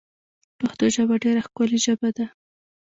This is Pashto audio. پشتو ژبه ډېره ښکولي ژبه ده